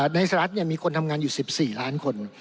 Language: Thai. ในสรรค์เนี่ยมีคนทำงานอยู่๑๔ล้านคน